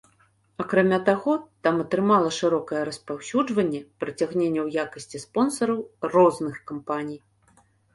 Акрамя таго там атрымала шырокае распаўсюджванне прыцягненне ў якасці спонсараў розных кампаній.